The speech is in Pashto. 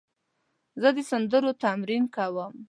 زه د سندرو تمرین کوم.